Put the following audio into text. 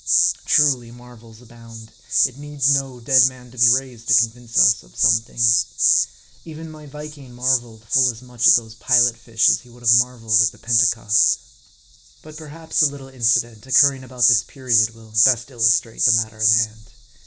Truly marvels abound. It needs 110 dead man to be raised, to convince us of some things. Even my Viking marveled full as much at those Pilot fish as he would have marveled at the Pentecost. 70 M A R D I. But perhaps a little incident, occurring about this period, will best illustrate the matter in hand.